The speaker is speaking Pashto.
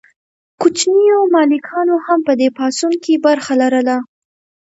کوچنیو مالکانو هم په دې پاڅون کې برخه لرله.